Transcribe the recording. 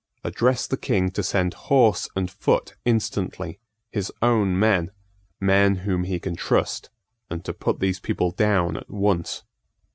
Address the King to send horse and foot instantly, his own men, men whom he can trust, and to put these people down at once."